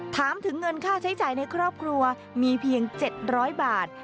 ถามถึงเงินค่าใช้จ่ายในครอบครัวมีเพียง๗๐๐บาท